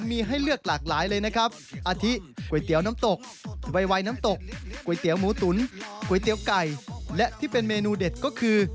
กุ๊ดเตี๋ยวไก่และที่เป็นเมนูเด็ดก็คือ